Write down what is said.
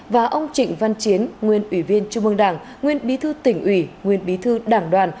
và ông trịnh văn chiến nguyên ủy viên trung ương đảng nguyên bí thư tỉnh ủy nguyên bí thư đảng đoàn